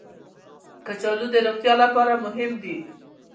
کچالو د روغتیا لپاره مهم دي